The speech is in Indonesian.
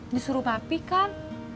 disuruh pak pi kan